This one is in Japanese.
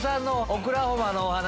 オクラホマのお話。